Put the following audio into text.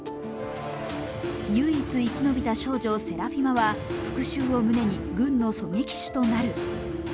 唯一、生き延びた少女セラフィマは復しゅうを胸に軍の狙撃手となる。